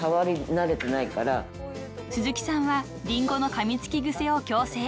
［鈴木さんはりんごのかみつき癖を矯正］